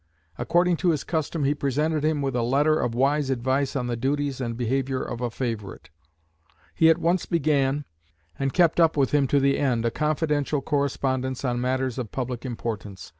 According to his custom he presented him with a letter of wise advice on the duties and behaviour of a favourite. He at once began, and kept up with him to the end, a confidential correspondence on matters of public importance.